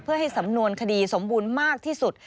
เพื่อให้สำนวนคดีสมบูรณ์มากที่สุด